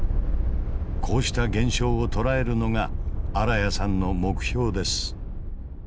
こうした現象を捉えるのが新谷さんの目標です。